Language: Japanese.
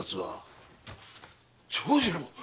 長次郎！